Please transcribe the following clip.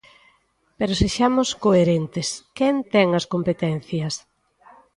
Pero sexamos coherentes: ¿quen ten as competencias?